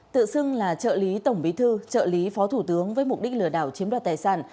tự xưng là trợ lý tổng bí thư trợ lý phó thủ tướng với mục đích lừa đảo chiếm đoạt tài sản